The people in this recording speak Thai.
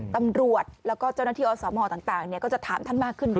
ตำรวจแล้วก็เจ้าหน้าที่อสมต่างก็จะถามท่านมากขึ้นด้วย